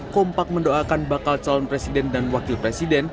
kompak mendoakan bakal calon presiden dan wakil presiden